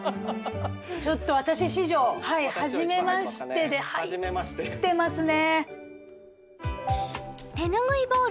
ちょっと私史上はい初めましてで入ってますね！